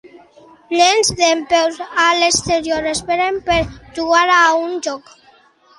Nens dempeus a l'exterior, esperant per jugar a un joc.